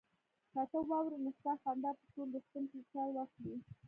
که ته واورې نو ستا خندا به ټول روغتون په سر واخلي